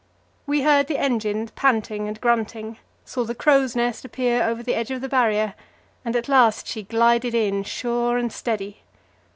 We heard the engine panting and grunting, saw the crow's nest appear over the edge of the Barrier, and at last she glided in, sure and steady.